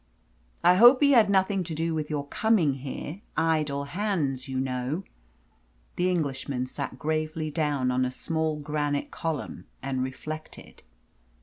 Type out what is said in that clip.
"I hope he had nothing to do with your coming here idle hands, you know." The Englishman sat gravely down on a small granite column and reflected.